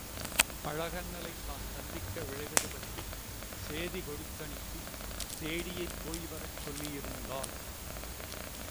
அழகண்ணலைத் தான் சந்திக்க விழைவது பற்றிச் சேதி கொடுத்தனுப்பி சேடியைப் போய்வரச் சொல்லியிருந்தாள்.